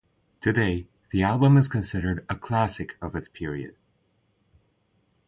Today, the album is considered a classic of its period.